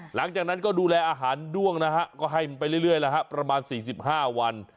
หลังจากนั้นก็ดูแลอาหารด้วงนะฮะก็ให้มันไปเรื่อยแล้วฮะประมาณ๔๕วัน